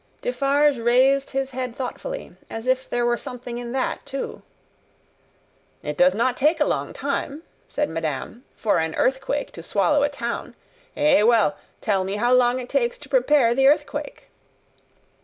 Defarge raised his head thoughtfully, as if there were something in that too. "It does not take a long time," said madame, "for an earthquake to swallow a town. Eh well! Tell me how long it takes to prepare the earthquake?"